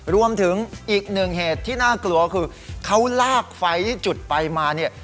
รวมถึงอีกหนึ่งเหตุที่น่ากลัวคือเขาลากไฟที่จุดไฟมาเนี่ย